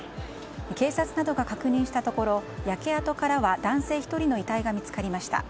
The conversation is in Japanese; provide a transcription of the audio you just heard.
警察などが確認したところ焼け跡からは男性１人の遺体が見つかりました。